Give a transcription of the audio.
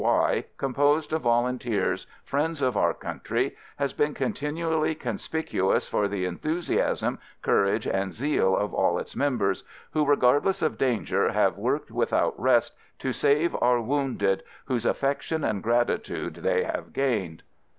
Y., composed of volunteers, friends of our country, has been contin ually conspicuous for the enthusiasm, courage, and zeal of all its members, who, regardless of danger, have worked without rest to save our wounded, whose affection and gratitude they have gained."